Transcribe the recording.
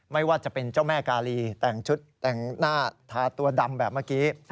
ไม่ว่าจะเป็นเจ้าแม่กาลีแต่งชุดแต่งหน้าทาตัวดำแบบเมื่อกี้